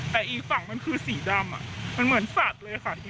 แต่อีกฝั่งมันคือสีดำมันเหมือนสัตว์เลยค่ะ